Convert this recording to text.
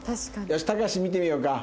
よしたかし見てみようか。